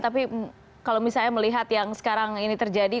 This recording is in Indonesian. tapi kalau misalnya melihat yang sekarang ini terjadi